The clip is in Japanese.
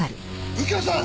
右京さん！！